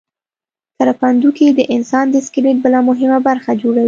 کرپندوکي د انسان د سکلیټ بله مهمه برخه جوړوي.